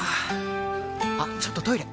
あっちょっとトイレ！